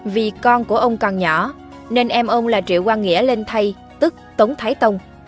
vì con của ông còn nhỏ nên em ông là triệu quang nghĩa lên thay tức tống thái tông